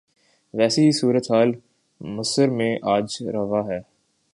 ویسی ہی صورتحال مصر میں آج روا ہے۔